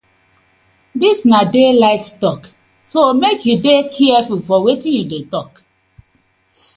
Dis na daylight tok so mek yu dey carfull for wetin yu dey tok.